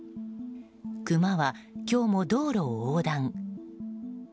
クマは今日も道路を横断。